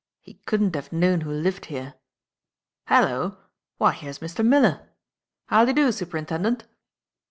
He couldn't have known who lived here. Hallo! why here's Mr. Miller. Howdy do, Superintendent!"